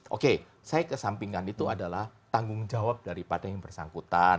oke saya kesampingkan itu adalah tanggung jawab daripada yang bersangkutan